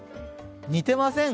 似てません？